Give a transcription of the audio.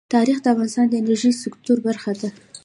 تاریخ د افغانستان د انرژۍ سکتور برخه ده.